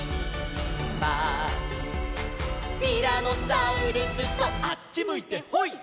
「ティラノサウルスとあっちむいてホイ！？」